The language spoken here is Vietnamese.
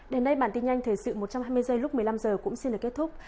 đến đây bản tin nhanh thời sự một trăm hai mươi giây lúc một mươi năm h cũng xin được kết thúc